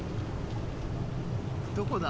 どこだ？